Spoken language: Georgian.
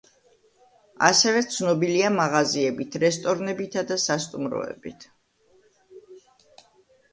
ასევე ცნობილია მაღაზიებით, რესტორნებითა და სასტუმროებით.